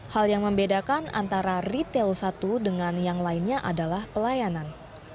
hal yang membedakan antara retail satu dengan yang lainnya adalah pelayanan